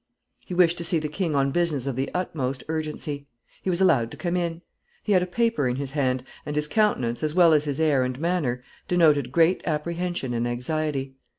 He wished to see the king on business of the utmost urgency. He was allowed to come in. He had a paper in his hand, and his countenance, as well as his air and manner, denoted great apprehension and anxiety.